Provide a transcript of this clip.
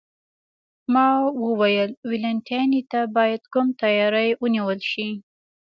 ما وویل: والنتیني ته باید کوم تیاری ونیول شي؟